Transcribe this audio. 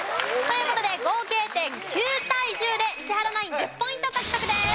という事で合計点９対１０で石原ナイン１０ポイント獲得です。